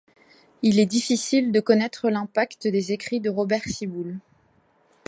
Il est difficile de connaître l'impact des écrits de Robert Ciboule.